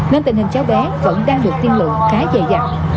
nên tình hình cháu bé vẫn đang được tiên lượng khá dài dặt